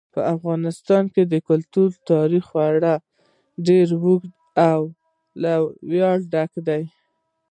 په افغانستان کې د کلتور تاریخ خورا ډېر اوږد او له ویاړه ډک دی.